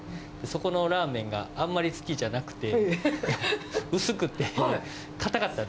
そこのラーメンがあんまり好きじゃなくて。